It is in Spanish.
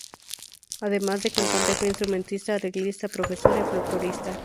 Además de cantante, fue instrumentista, arreglista, profesora y folclorista.